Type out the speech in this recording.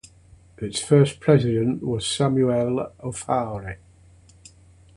Its first president was Samule Ofori.